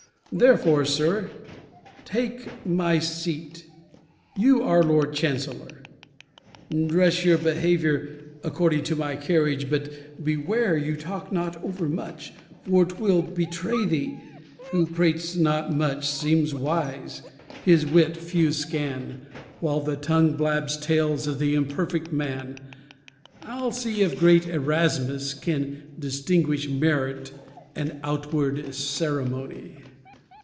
Therefore, sir, take my seat; you are Lord Chancellor: dress your behavior According to my carriage; but beware You talk not over much, for twill betray thee: Who prates not much seems wise; his wit few scan; While the tongue blabs tales of the imperfect man. I'll see if great Erasmus can distinguish Merit and outward ceremony.